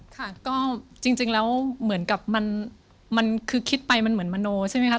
ค่ะก็จริงแล้วเหมือนกับมันคือคิดไปมันเหมือนมโนใช่ไหมครับ